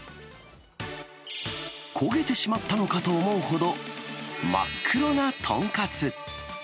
焦げてしまったのかと思うほど、真っ黒な豚カツ。